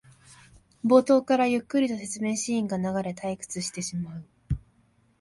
冒頭からゆっくりと説明シーンが流れ退屈してしまう